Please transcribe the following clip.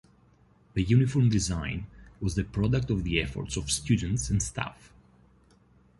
The uniform design was the product of the efforts of students and staff.